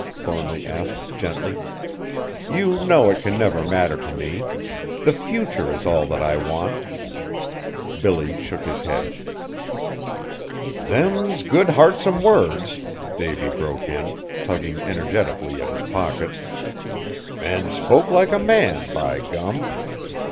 Thornly asked gently. "You know it can never matter to me. The future is all that I want." Billy shook his head. "Them's good heartsome words!" Davy broke in, tugging energetically at his pockets. "An' spoke like a man, by gum!